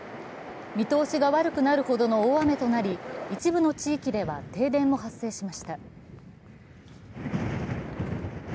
見通しが悪くなるほどの大雨となり一部の地域では停電も発生しました。